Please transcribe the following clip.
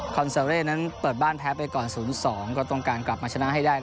คอนเซลเลนั้นเปิดบ้านแพ้ไปก่อนศูนย์สองก็ต้องการกลับมาชนะให้ได้